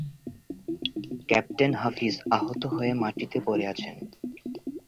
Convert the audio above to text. Captain Hafiz আহত হয়ে মাটিতে পড়ে আছেন।